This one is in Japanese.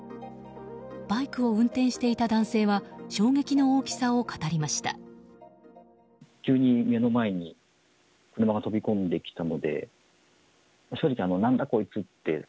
バイクを運転していた男性は衝撃の大きさを語りました。